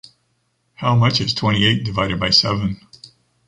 How much is twenty-eight divided by seven?